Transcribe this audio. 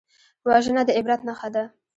وژنه د عبرت نښه ده